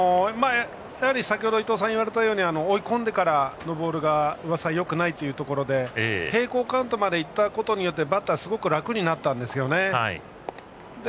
先ほど伊東さんが言われたように追い込んでからのボールが上沢はよくないというところで並行カウントまでいったことによってバッターはすごく楽になったんですよね。